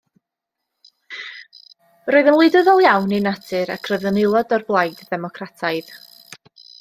Roedd yn wleidyddol iawn ei natur, ac roedd yn aelod o'r Blaid Ddemocrataidd.